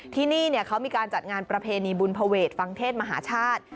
ที่นี่เขามีการจัดงานประเพณีบุญภเวทฟังเทศมหาชาติ